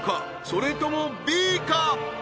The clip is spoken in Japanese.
それともＢか？